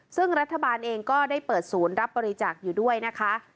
ซึ่งรัฐบาลเองก็ได้เปิดศูนย์รับบริจาคอยู่ด้วยนะคะ